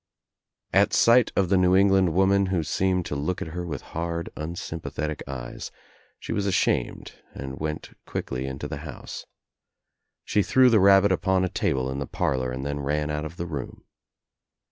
At sight of the New England woman, who seemed to look at her with hard unsym pathetic eyes, she was ashamed and went quickly into the house. She threw the rabbit upon a table In the parlor and then ran out of the room.